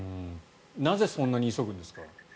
なぜそんなに急ぐんですか？